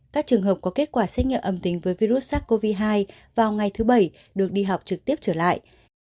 các trường hợp có kết quả xét nghiệm âm tính với virus sars cov hai vào ngày thứ bảy được đi học trực tiếp trở lại